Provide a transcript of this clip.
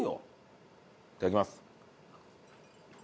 いただきます。